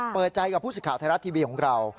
เปิดใจกับผู้สิทธิ์ไทยรัฐทีวีของเรา